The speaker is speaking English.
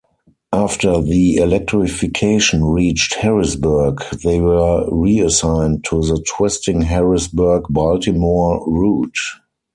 After the electrification reached Harrisburg, they were reassigned to the twisting Harrisburg-Baltimore route.